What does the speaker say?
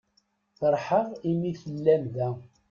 Ferḥeɣ imi tellam da.